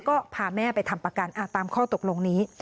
ก็พาแม่ไปทำประกันตามข้อตกลงนี้